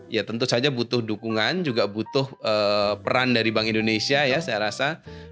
ya tentu saja butuh dukungan juga butuh peran dari bank indonesia ya saya rasa